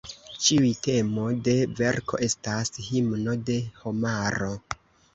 Ĉiuj temo de verko estas "Himno de Homaro".